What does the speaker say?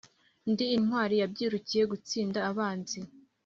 Ndi intwari yabyirukiye gutsinda abanzi